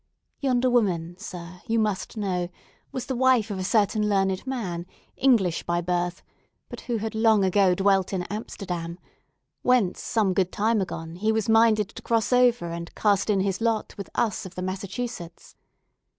Yonder woman, Sir, you must know, was the wife of a certain learned man, English by birth, but who had long ago dwelt in Amsterdam, whence some good time agone he was minded to cross over and cast in his lot with us of the Massachusetts.